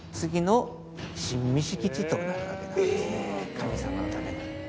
神様のための。